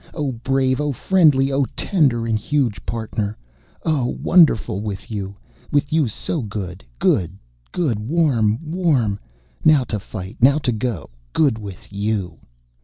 O brave, O friendly, O tender and huge Partner! O wonderful with you, with you so good, good, good, warm, warm, now to fight, now to go, good with you...."